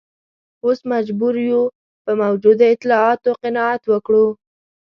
اوس مجبور یو په موجودو اطلاعاتو قناعت وکړو.